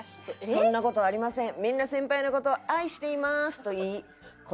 「そんな事ありません」。